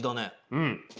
うん。